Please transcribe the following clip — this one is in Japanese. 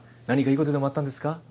何かいいことでもあったんですか？